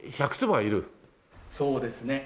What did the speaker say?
そうですね。